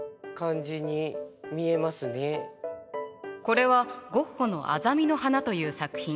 これはゴッホの「アザミの花」という作品。